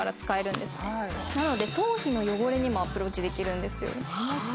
なので頭皮の汚れにもアプローチできるんですよ。